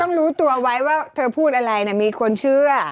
ต้องรู้ตัวไว้ว่าพูดอะไรเนี่ยมีคนเชื่อ